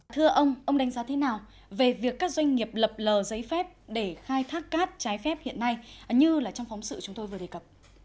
thưa ông ông đánh giá thế nào về việc các doanh nghiệp lập lờ giấy phép để khai thác cát trái phép hiện nay như trong phóng sự chúng tôi vừa đề cập